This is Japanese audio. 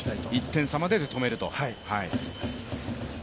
１点差までで止めると。